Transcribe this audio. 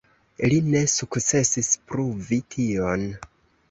Li ne sukcesis pruvi tion.